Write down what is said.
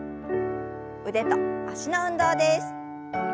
腕と脚の運動です。